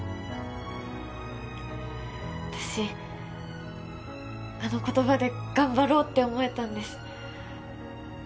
私あの言葉で頑張ろうって思えたんです